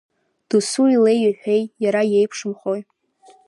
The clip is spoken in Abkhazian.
Досу илеи иҳәеи иара еиԥшымхои!